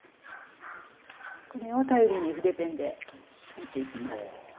これを頼りに筆ペンで描いていきます。